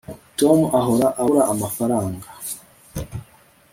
tom ahora abura amafaranga